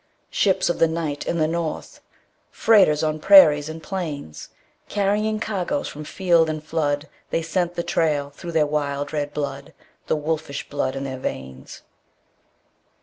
Ships of the night and the north, Freighters on prairies and plains, Carrying cargoes from field and flood They scent the trail through their wild red blood, The wolfish blood in their veins.